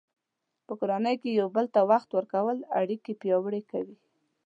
په کورنۍ کې یو بل ته وخت ورکول اړیکې پیاوړې کوي.